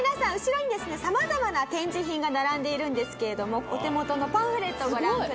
さまざまな展示品が並んでいるんですけれどもお手元のパンフレットご覧ください。